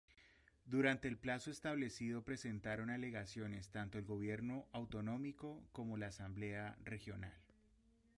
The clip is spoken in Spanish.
Durante el plazo establecido presentaron alegaciones tanto el Gobierno autonómico como la Asamblea Regional.